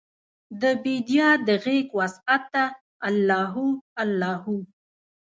دبیدیا د غیږوسعته الله هو، الله هو